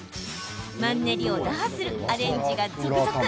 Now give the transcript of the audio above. マンネリを打破するアレンジが続々。